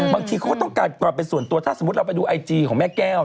บางทีเขาก็ต้องการความเป็นส่วนตัวถ้าสมมุติเราไปดูไอจีของแม่แก้ว